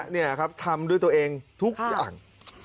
นี่ครับทำด้วยตัวเองทุกอย่าง